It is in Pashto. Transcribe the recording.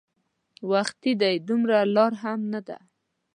وختي دی دومره لار هم نه ده.